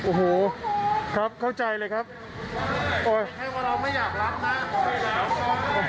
โอ้โหครับเข้าใจเลยครับโอ้โห